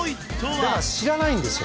だから知らないんですよ